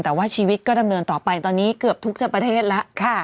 แต่ว่าชีวิตก็ดำเนินต่อไปตอนนี้เกือบทุกจะประเทศแล้ว